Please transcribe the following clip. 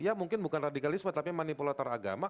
ya mungkin bukan radikalisme tapi manipulator agama